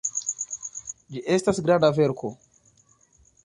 Ĝi estas granda verko.